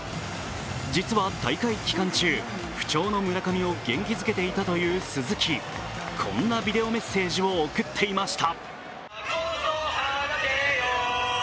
実は大会期間中、不調の村上を元気づけていたという鈴木こんなビデオメッセージを送っていました。